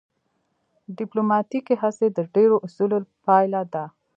ډیپلوماتیکې هڅې د ډیرو اصولو پایله ده